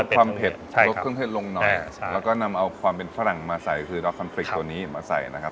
ก็ลดความเผ็ดลงน้อยแล้วก็นำเอาความเป็นฝรั่งมาใส่คือเราเอาคอนฟริกตัวนี้มาใส่นะครับ